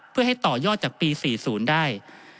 เพื่อให้ต่อยอดจากปี๔๐ได้